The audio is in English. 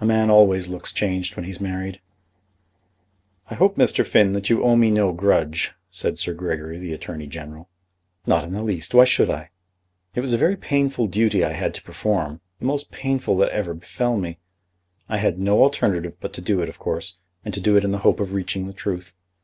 "A man always looks changed when he's married." "I hope, Mr. Finn, that you owe me no grudge," said Sir Gregory, the Attorney General. "Not in the least; why should I?" "It was a very painful duty that I had to perform, the most painful that ever befel me. I had no alternative but to do it, of course, and to do it in the hope of reaching the truth.